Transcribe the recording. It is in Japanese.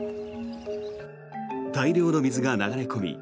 大量の水が流れ込み